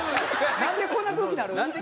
なんでこんな空気になる？